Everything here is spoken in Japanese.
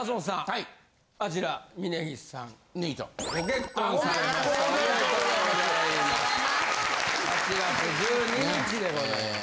８月１２日でございます。